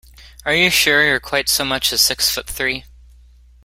Are you sure you're quite so much as six foot three?